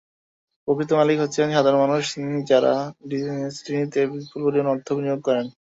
প্রকৃত মালিক হচ্ছেন সাধারণ মানুষ, যাঁরা ডেসটিনিতে বিপুল পরিমাণ অর্থ বিনিয়োগ করেন।